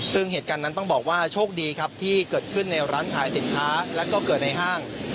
ซึ่งเหตุการณ์นั้นต้องบอกว่าโชคดีครับที่เกิดขึ้นในร้านขายสินค้าแล้วก็เกิดในห้าง